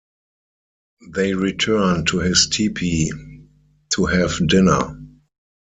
They return to his tepee to have dinner.